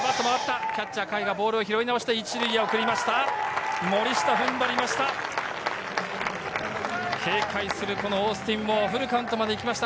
キャッチャー・甲斐がボールを拾い直して、１塁に送りました。